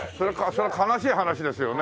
そりゃ悲しい話ですよね。